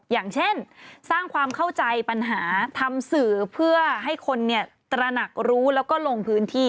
อย่างเช่นสร้างความเข้าใจปัญหาทำสื่อเพื่อให้คนตระหนักรู้แล้วก็ลงพื้นที่